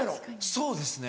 そうですね。